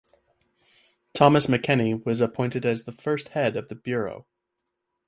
Thomas McKenney was appointed as the first head of the bureau.